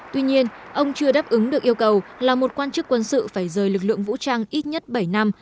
tuy nhiên ông chưa đáp ứng được yêu cầu là một quan chức quân sự phải rời lực lượng vũ trang ít nhất bảy năm